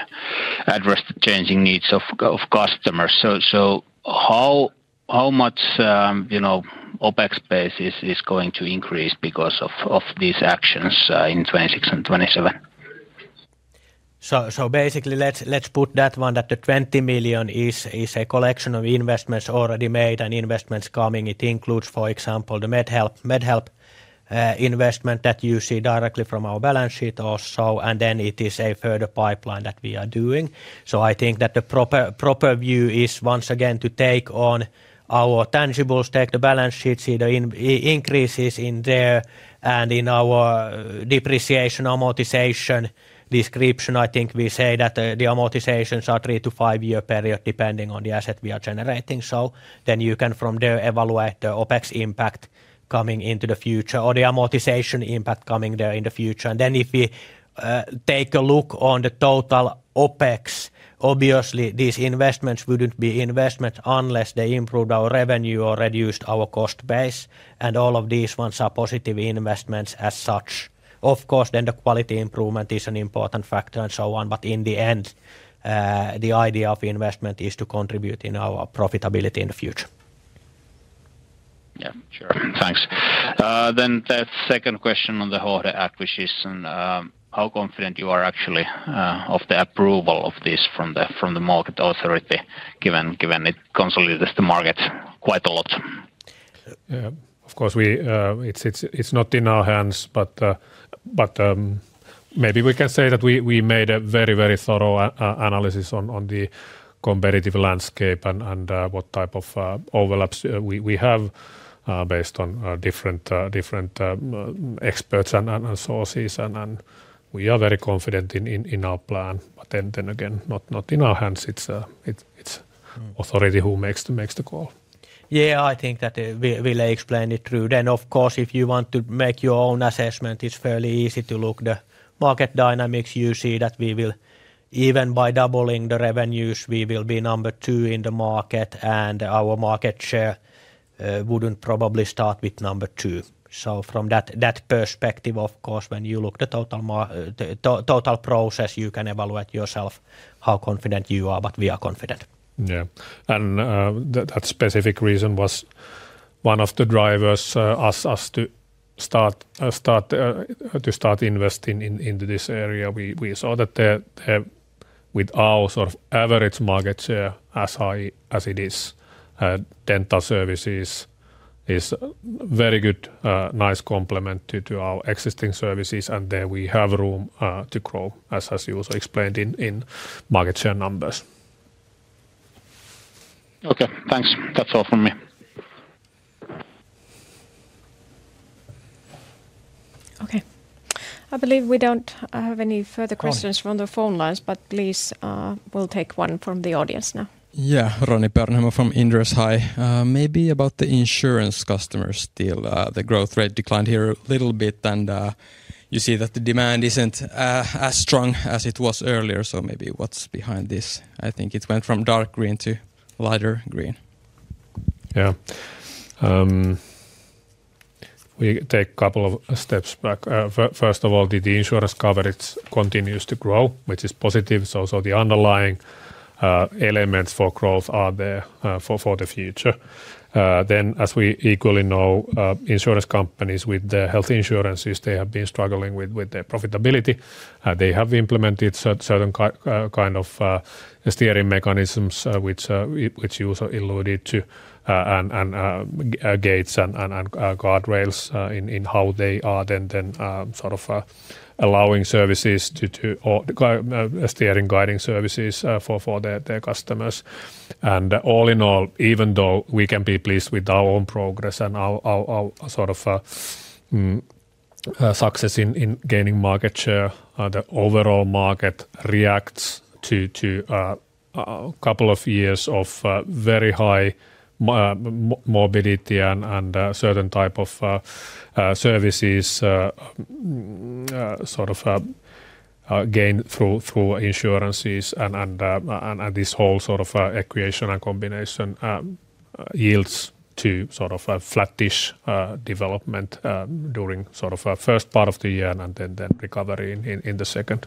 Speaker 7: address the changing needs of customers. So, how much, you know, OpEx base is going to increase because of these actions in 2026 and 2027?
Speaker 3: So basically, let's put that one, that the 20 million is a collection of investments already made and investments coming. It includes, for example, the MedHelp investment that you see directly from our balance sheet also, and then it is a further pipeline that we are doing. So I think that the proper view is, once again, to take on our tangibles, take the balance sheet, see the increases in there and in our depreciation, amortization description. I think we say that the amortizations are 3-5-year period, depending on the asset we are generating. So then you can from there evaluate the OpEx impact coming into the future or the amortization impact coming there in the future. And then if we take a look on the total OpEx, obviously, these investments wouldn't be investment unless they improved our revenue or reduced our cost base, and all of these ones are positive investments as such. Of course, then the quality improvement is an important factor and so on, but in the end, the idea of investment is to contribute in our profitability in the future.
Speaker 7: Yeah, sure. Thanks. Then the second question on the whole acquisition, how confident you are actually of the approval of this from the market authority, given it consolidates the market quite a lot?
Speaker 2: Yeah. Of course, we—It's not in our hands, but, but, maybe we can say that we made a very, very thorough analysis on the competitive landscape and what type of overlaps we have based on different experts and sources, and we are very confident in our plan. But then again, not in our hands. It's authority who makes the call.
Speaker 3: Yeah, I think that, Ville explained it through. Then, of course, if you want to make your own assessment, it's fairly easy to look at the market dynamics. You see that we will, even by doubling the revenues, we will be number two in the market, and our market share wouldn't probably start with number two. So from that perspective, of course, when you look at the total market, the total process, you can evaluate yourself how confident you are, but we are confident.
Speaker 2: Yeah. And that specific reason was one of the drivers for us to start investing into this area. We saw that with our sort of average market share as high as it is, dental services is very good, nice complement to our existing services, and there we have room to grow, as you also explained in market share numbers.
Speaker 7: Okay, thanks. That's all from me.
Speaker 1: Okay. I believe we don't have any further questions from the phone lines, but please, we'll take one from the audience now.
Speaker 8: Yeah, Roni Peuranheimo from Inderes. Hi. Maybe about the insurance customers still, the growth rate declined here a little bit, and you see that the demand isn't as strong as it was earlier. So maybe what's behind this? I think it went from dark green to lighter green.
Speaker 2: Yeah. We take a couple of steps back. First of all, the insurance coverage continues to grow, which is positive, so the underlying elements for growth are there for the future. Then, as we equally know, insurance companies with their health insurances, they have been struggling with their profitability. They have implemented certain kind of steering mechanisms, which you also alluded to, and gates and guardrails in how they are then sort of allowing services to or steering, guiding services for their customers. And all in all, even though we can be pleased with our own progress and our sort of success in gaining market share, the overall market reacts to a couple of years of very high mobility and certain type of services sort of gain through insurances and this whole sort of equation and combination yields to sort of a flattish development during sort of first part of the year and then recovery in the second.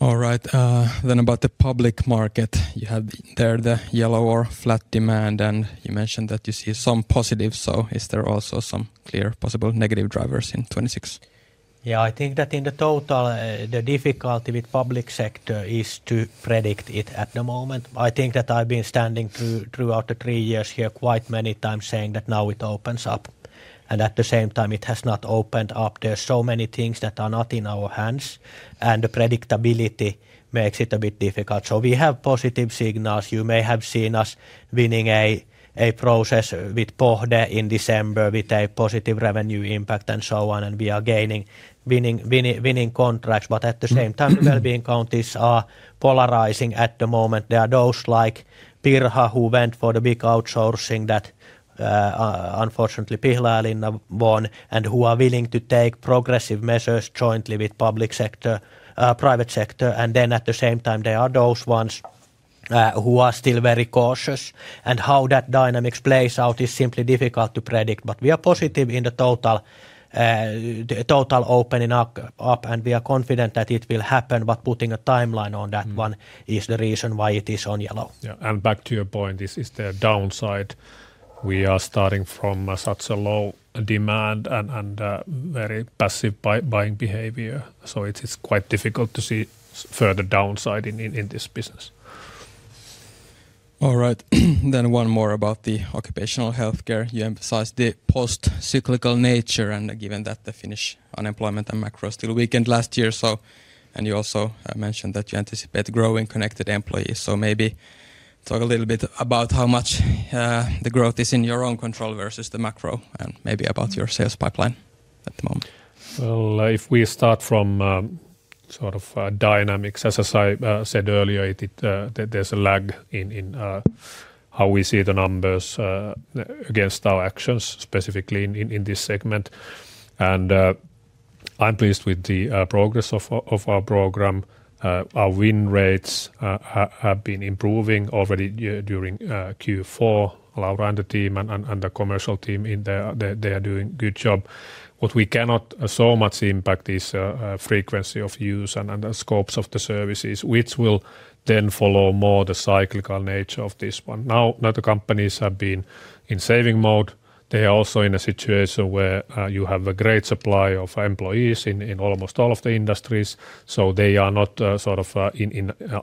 Speaker 8: All right. Then about the public market, you have there the yellow or flat demand, and you mentioned that you see some positives, so is there also some clear possible negative drivers in 2026?
Speaker 3: Yeah, I think that in the total, the difficulty with public sector is to predict it at the moment. I think that I've been standing throughout the three years here quite many times saying that now it opens up, and at the same time, it has not opened up. There are so many things that are not in our hands, and the predictability makes it a bit difficult. So we have positive signals. You may have seen us winning a process with Hohde in December, with a positive revenue impact and so on, and we are gaining, winning, winning, winning contracts. But at the same time, wellbeing counties are polarizing at the moment. There are those like Pirha, who went for the big outsourcing that, unfortunately, Pihlajalinna won, and who are willing to take progressive measures jointly with public sector, private sector. Then at the same time, there are those ones, who are still very cautious, and how that dynamics plays out is simply difficult to predict. But we are positive in the total, the total opening up, and we are confident that it will happen, but putting a timeline on that one is the reason why it is on yellow.
Speaker 2: Yeah, and back to your point, this is the downside. We are starting from such a low demand and very passive buying behavior, so it is quite difficult to see further downside in this business.
Speaker 8: All right. Then one more about Occupational Healthcare. You emphasized the post-cyclical nature, and given that the Finnish unemployment and macro still weakened last year, so, and you also mentioned that you anticipate growing connected employees. So maybe talk a little bit about how much the growth is in your own control versus the macro, and maybe about your sales pipeline at the moment.
Speaker 2: Well, if we start from sort of dynamics, as I said earlier, there's a lag in how we see the numbers against our actions, specifically in this segment. I'm pleased with the progress of our program. Our win rates have been improving already during Q4. Laura and the team and the commercial team in there, they are doing good job. What we cannot so much impact is frequency of use and the scopes of the services, which will then follow more the cyclical nature of this one. Now the companies have been in saving mode. They are also in a situation where you have a great supply of employees in almost all of the industries, so they are not sort of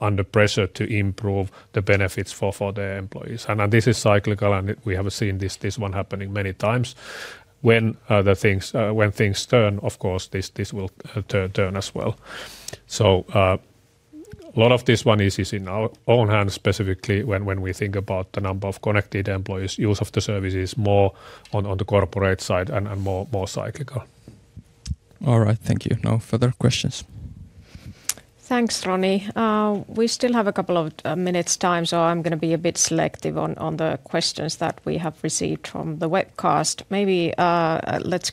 Speaker 2: under pressure to improve the benefits for their employees. And this is cyclical, and we have seen this one happening many times. When things turn, of course, this will turn as well. So a lot of this one is in our own hands, specifically when we think about the number of connected employees, use of the services more on the corporate side and more cyclical.
Speaker 8: All right. Thank you. No further questions.
Speaker 1: Thanks, Roni. We still have a couple of minutes time, so I'm gonna be a bit selective on the questions that we have received from the webcast. Maybe, let's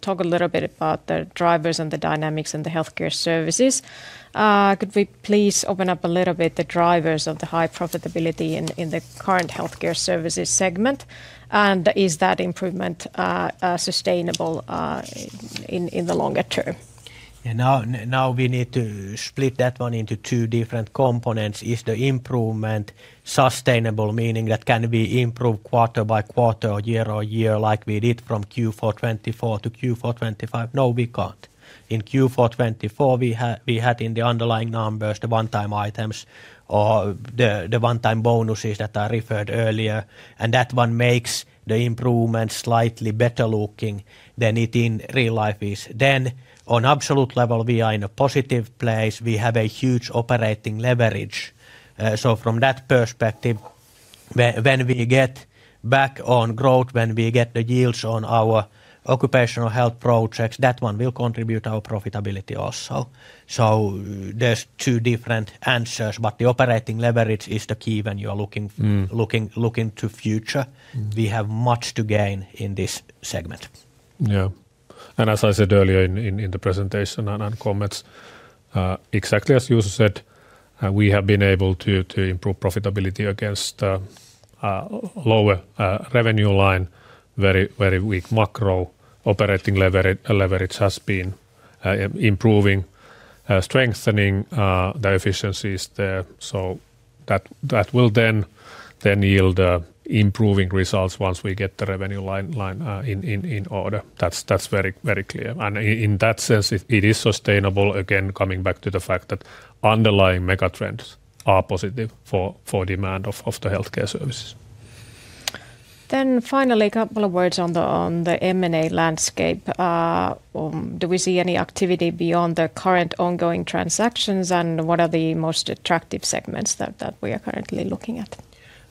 Speaker 1: talk a little bit about the drivers and the dynamics and the Healthcare Services. Could we please open up a little bit the drivers of the high profitability in the current Healthcare Services segment? And is that improvement a sustainable in the longer term?
Speaker 3: Yeah. Now we need to split that one into two different components. Is the improvement sustainable, meaning that can we improve quarter by quarter or year-over-year, like we did from Q4 2024 to Q4 2025? No, we can't. In Q4 2024, we had in the underlying numbers, the one-time items or the one-time bonuses that I referred earlier, and that one makes the improvement slightly better looking than it in real life is. Then on absolute level, we are in a positive place. We have a huge operating leverage. So from that perspective, when we get back on growth, when we get the yields on our Occupational Health projects, that one will contribute our profitability also. So there's two different answers, but the operating leverage is the key when you are looking-
Speaker 2: Mm.
Speaker 3: Looking to the future.
Speaker 2: Mm.
Speaker 3: We have much to gain in this segment.
Speaker 2: Yeah, and as I said earlier in the presentation and on comments, exactly as you said, we have been able to improve profitability against lower revenue line, very weak macro operating leverage has been improving, strengthening the efficiencies there. So that will then yield improving results once we get the revenue line in order. That's very clear. And in that sense, it is sustainable, again, coming back to the fact that underlying mega trends are positive for demand of the Healthcare Services.
Speaker 1: Then finally, a couple of words on the M&A landscape. Do we see any activity beyond the current ongoing transactions, and what are the most attractive segments that we are currently looking at?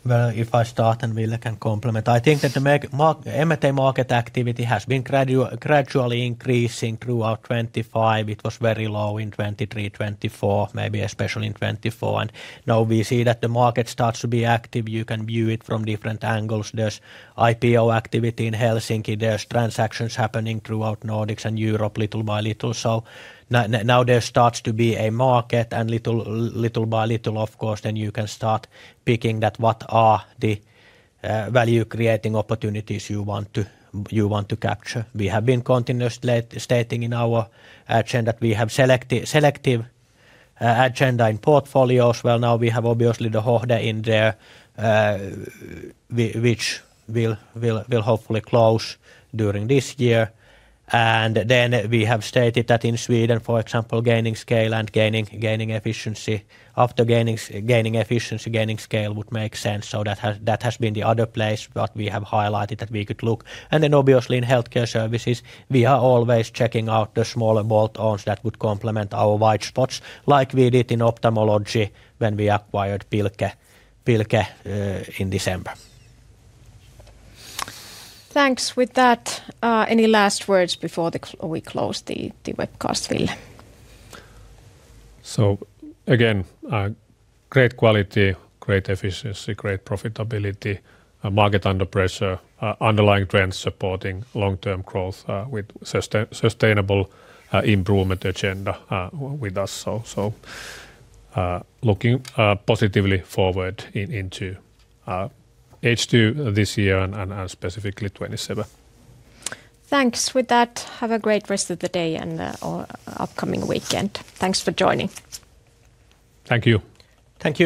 Speaker 3: Well, if I start, and Ville can complement. I think that the M&A market activity has been gradually increasing throughout 2025. It was very low in 2023, 2024, maybe especially in 2024. And now we see that the market starts to be active. You can view it from different angles. There's IPO activity in Helsinki. There's transactions happening throughout Nordics and Europe, little by little. So now there starts to be a market, and little by little, of course, then you can start picking at what are the value-creating opportunities you want to capture. We have been continuously stating in our agenda that we have selective agenda in portfolios. Well, now we have obviously the Hohde in there, which we'll hopefully close during this year. We have stated that in Sweden, for example, gaining scale and gaining efficiency. After gaining efficiency, gaining scale would make sense, so that has been the other place that we have highlighted that we could look. And then obviously Healthcare Services, we are always checking out the smaller bolt-ons that would complement our white spots, like we did in ophthalmology when we acquired Pilke in December.
Speaker 1: Thanks. With that, any last words before we close the webcast, Ville?
Speaker 2: So again, great quality, great efficiency, great profitability, a market under pressure, underlying trends supporting long-term growth, with sustainable improvement agenda, with us. So, looking positively forward into H2 this year and specifically 2027.
Speaker 1: Thanks. With that, have a great rest of the day and, or upcoming weekend. Thanks for joining.
Speaker 2: Thank you.
Speaker 3: Thank you.